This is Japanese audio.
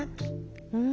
うん。